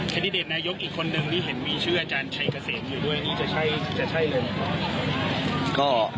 คัติเดชนายกอีกคนนึงที่เห็นวีชื่ออาจารย์ชัยเกษตรอยู่ด้วยอันนี้จะใช่เลยมั้ยครับ